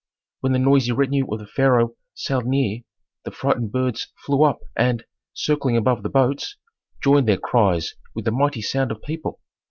When the noisy retinue of the pharaoh sailed near, the frightened birds flew up and, circling above the boats, joined their cries with the mighty sound of people.